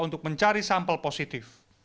untuk mencari sampel positif